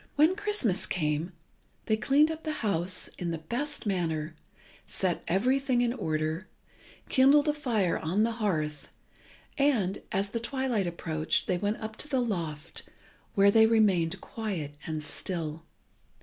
When Christmas came, they cleaned up the house in the best manner, set everything in order, kindled a fire on the hearth, and, as the twilight approached, they went up to the loft, where they remained quiet and still.